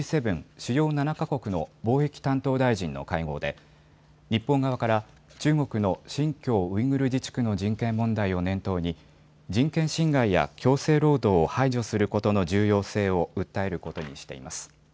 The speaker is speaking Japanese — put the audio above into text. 主要７か国の貿易担当大臣の会合で日本側から中国の新疆ウイグル自治区の人権問題を念頭に人権侵害や強制労働を排除することの重要性を訴えることにしています。